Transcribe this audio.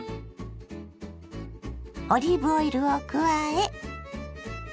オリーブオイルを加え。